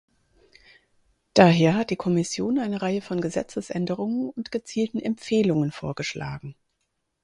Daher hat die Kommission eine Reihe von Gesetzesänderungen und gezielten Empfehlungen vorgeschlagen.